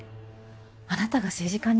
あなたが政治家に？